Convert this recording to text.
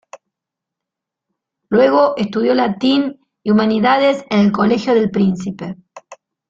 Luego estudió latín y humanidades en el Colegio del Príncipe.